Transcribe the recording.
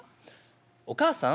「お母さん？」。